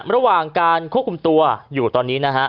ระหว่างการควบคุมตัวอยู่ตอนนี้นะฮะ